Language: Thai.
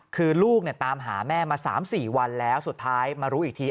คือลูกตามหาแม่มา๓๔วันแล้วสุดท้ายมารู้อีกที